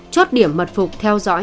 chốt điểm mật phục theo dõi